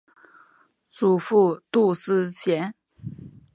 祖父杜思贤。